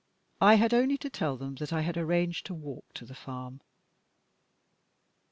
I had only to tell them that I had arranged to walk to the farm.